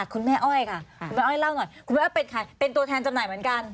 คุณแม่อ้อยค่ะคุณแม่อ้อยเล่าหน่อยคุณแม่เป็นตัวแทนจำหน่ายเหมือนกัน